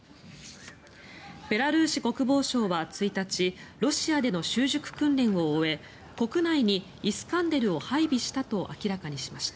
ベラルーシ国防省は１日ロシアでの習熟訓練を終え国内にイスカンデルを配備したと明らかにしました。